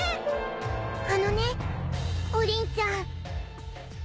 あのねおリンちゃん。